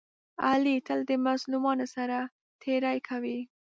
علي تل د مظلومانو سره تېری کوي.